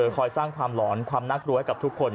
คอยสร้างความหลอนความน่ากลัวให้กับทุกคน